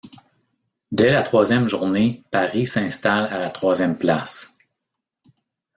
Dès la troisième journée Paris s'installe à la troisième place.